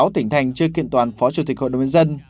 sáu tỉnh thành chưa kiện toàn phó chủ tịch hội đồng nhân dân